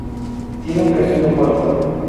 Tiene un pequeño puerto.